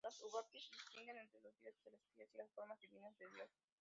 Las "Upanishads" distinguen entre los dioses celestiales y las formas divinas de Dios.